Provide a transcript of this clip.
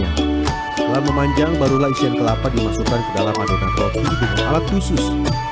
setelah memanjang barulah isian kelapa dimasukkan ke dalam adonan roti dengan alat khusus